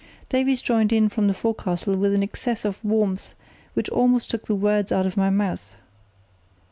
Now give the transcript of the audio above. Davies joined in from the forecastle with an excess of warmth which almost took the words out of my mouth.